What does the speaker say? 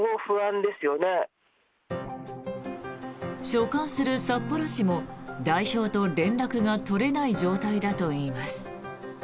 所管する札幌市も代表と連絡が取れない状態だといいます。